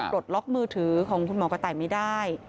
ปลดล็อกมือถือของคุณหมอกระต่ายไม่ได้